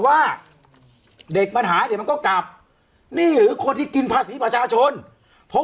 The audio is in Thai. ว่าเด็กมันหายเดี๋ยวมันก็กลับนี่หรือคนที่กินภาษีประชาชนเพราะ